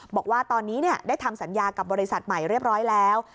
บอกว่าตอนนี้ได้ทำสัญญากับบริษัทใหม่เรียบร้อยแล้ว